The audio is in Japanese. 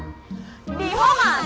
リフォーマーズ！